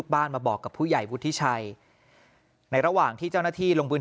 บ้านมาบอกกับผู้ใหญ่วุฒิชัยในระหว่างที่เจ้าหน้าที่ลงบน